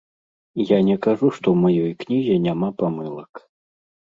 Я не кажу, што ў маёй кнізе няма памылак.